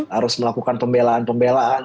harus melakukan pembelaan pembelaan